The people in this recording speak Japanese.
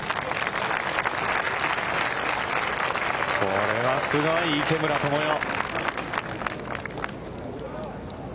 これはすごい、池村寛世。